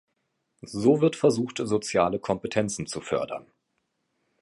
So wird versucht, soziale Kompetenzen zu fördern.